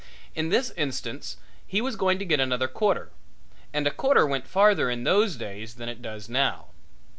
In this instance he was going to get another quarter, and a quarter went farther in those days than it does now.